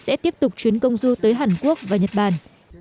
sẽ tiếp tục chuyến công du tới hàn quốc và nhật bản